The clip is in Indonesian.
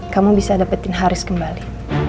kamu bisa dapetin harus kembali